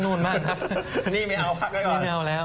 นี่ไม่เอาแล้ว